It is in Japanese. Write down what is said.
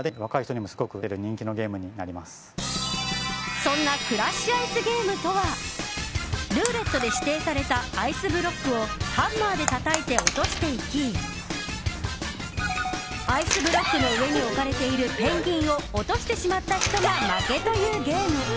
そんなクラッシュアイスゲームとはルーレットで指定されたアイスブロックをハンマーでたたいて落としていきアイスブロックの上に置かれているペンギンを落としてしまった人が負けというゲーム。